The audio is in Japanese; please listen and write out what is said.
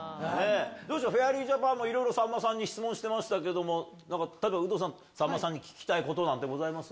フェアリージャパンいろいろさんまさんに質問してましたけども例えば有働さんさんまさんに聞きたいことございます？